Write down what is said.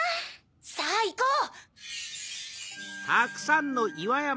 さぁいこう！